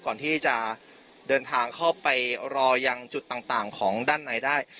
ก่อนที่จะเดินทางเข้าไปรอยังจุดต่างของด้านในได้